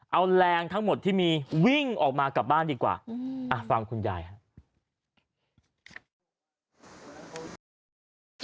เอาแรงทั้งหมดที่มีวิ่งออกมากลับบ้านดีกว่าฟังคุณยายครับ